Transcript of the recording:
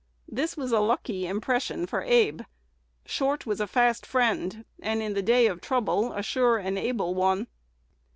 This was a lucky "impression" for Abe. Short was a fast friend, and in the day of trouble a sure and able one.